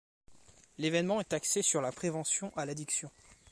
L'événement est axé sur la prévention à l'addiction.